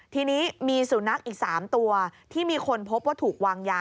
ทีนี้มีสุนัขอีก๓ตัวที่มีคนพบว่าถูกวางยา